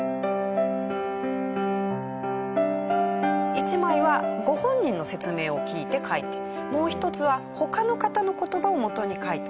１枚はご本人の説明を聞いて描いてもう一つは他の方の言葉を元に描いた。